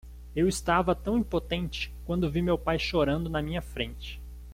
Eu estava tão impotente quando vi meu pai chorando na minha frente.